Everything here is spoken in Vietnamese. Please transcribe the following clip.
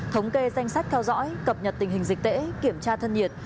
thống kê danh sách theo dõi cập nhật tình hình dịch tễ kiểm tra thân nhiệt